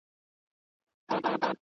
چي اسمان پر تندي څه درته لیکلي.